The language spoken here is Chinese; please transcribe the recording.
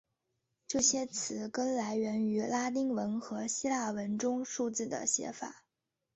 这些词根来源于拉丁文和希腊文中数字的写法。